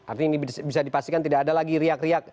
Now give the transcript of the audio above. artinya ini bisa dipastikan tidak ada lagi riak riak